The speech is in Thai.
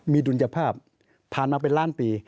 มีดุลยภาพผ่านมาเป็นล้านปี